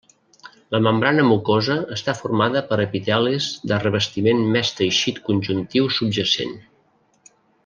La membrana mucosa està formada per epitelis de revestiment més teixit conjuntiu subjacent.